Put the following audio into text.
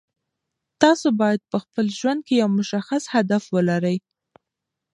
تاسو باید په خپل ژوند کې یو مشخص هدف ولرئ.